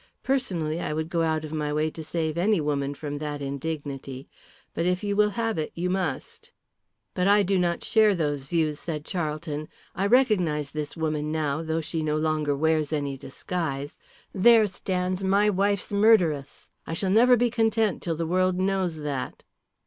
Personally I would go out of my way to save any woman from that indignity. But if you will have it you must." "But I do not share these views," said Charlton. "I recognise this woman now, though she no longer wears any disguise. There stands my wife's murderess. I shall never be content till the world knows that."